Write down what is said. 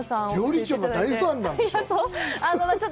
料理長が大ファンなんでしょう？